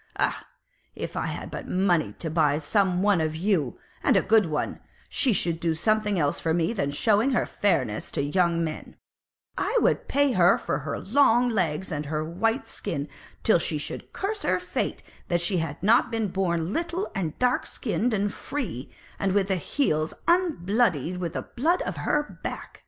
Ah! if I had but money to buy some one of you, and a good one, she should do something else for me than showing her fairness to young men; and I would pay her for her long legs and her white skin, till she should curse her fate that she had not been born little and dark skinned and free, and with heels un bloodied with the blood of her back."